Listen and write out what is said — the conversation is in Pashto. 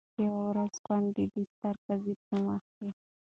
یوه ورځ ګوندي د ستر قاضي په مخ کي